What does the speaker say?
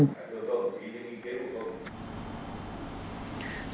chúng tôi sẽ đồng ý với kế bộ công an